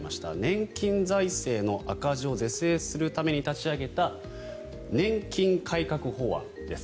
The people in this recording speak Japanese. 年金財政の赤字を是正するために立ち上げた年金改革法案です。